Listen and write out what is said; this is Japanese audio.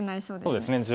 そうですね